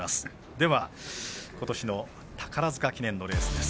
ではことしの宝塚記念のレースです。